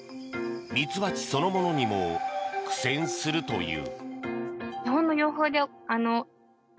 蜜蜂そのものにも苦戦するという。